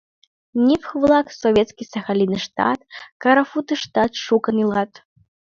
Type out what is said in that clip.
Нивх-влак Советский Сахалиныштат, Карафутыштат шукын илат.